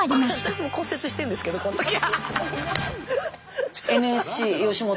私も骨折してるんですけどこのとき。